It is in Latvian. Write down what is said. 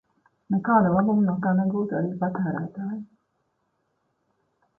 Nekādu labumu no tā negūtu arī patērētāji.